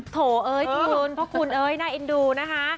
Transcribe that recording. โถเอ้ยทุกคนเพราะคุณเอ้ยน่าเอ็นดูนะคะ